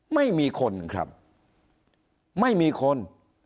ไม่มีคนครับไม่มีคน